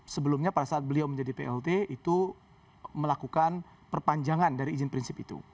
sebelumnya pada saat beliau menjadi plt itu melakukan perpanjangan dari izin prinsip itu